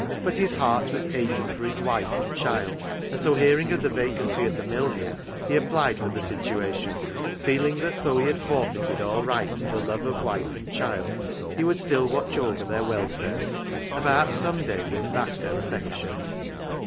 " But his heart was aching for his wife and child, and so hearing of the vacancy at the mill here, he applied for the situation, feeling that though he had forfeited all right to the love of wife and child he would still watch over their welfare, and perhaps some day win back their affection.